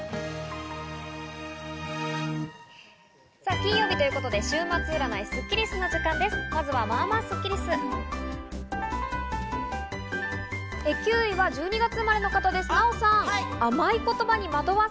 金曜日ということで週末占いスッキりすの時間です。